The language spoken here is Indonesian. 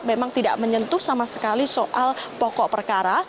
memang tidak menyentuh sama sekali soal pokok perkara